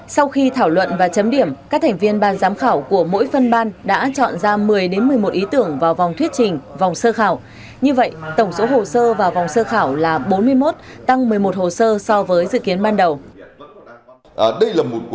sau khi thảo luận và chấm điểm các thành viên ban giám khảo của mỗi phân ban đã chọn ra một mươi một mươi một ý tưởng vào vòng thuyết trình vòng sơ khảo như vậy tổng số hồ sơ vào vòng sơ khảo là bốn mươi một tăng một mươi một hồ sơ so với dự kiến ban đầu